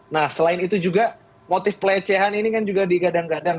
nah selain itu juga motif pelecehan ini kan juga digadang gadang